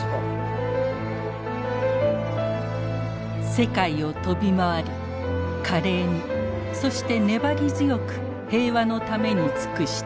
世界を飛び回り華麗にそして粘り強く平和のために尽くした。